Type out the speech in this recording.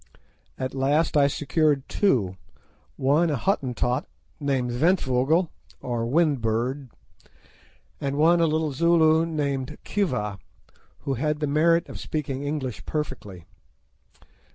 At last I secured two, one a Hottentot named Ventvögel, or "windbird," and one a little Zulu named Khiva, who had the merit of speaking English perfectly.